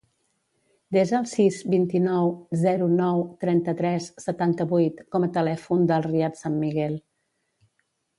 Desa el sis, vint-i-nou, zero, nou, trenta-tres, setanta-vuit com a telèfon del Riyad San Miguel.